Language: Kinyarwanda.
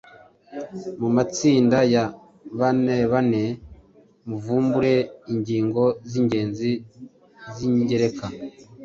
Mu matsinda ya banebane muvumbure ingingo z’ingenzi n’iz’ingereka